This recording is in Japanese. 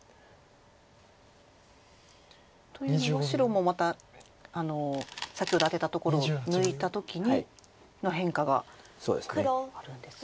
というのは白もまた先ほどアテたところを抜いた時にの変化があるんですね。